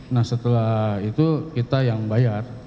nah setelah itu kita yang bayar